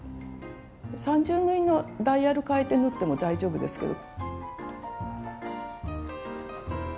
三重縫いのダイヤル変えて縫っても大丈夫です。